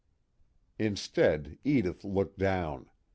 _ Instead, Edith looked down.